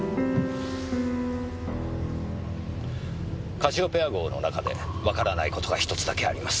カシオペア号の中でわからない事が１つだけあります。